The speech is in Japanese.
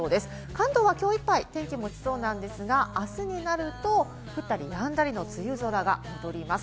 関東はきょういっぱい天気は持ちそうなんですが、あすになると降ったりやんだりの梅雨空が戻ります。